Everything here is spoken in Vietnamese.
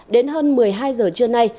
đến hơn một mươi hai h trưa nay